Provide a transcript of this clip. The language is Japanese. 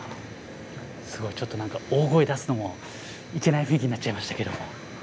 すごいちょっと何か大声出すのもいけない雰囲気になっちゃいましたけど。